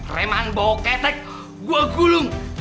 reman boketek gua gulung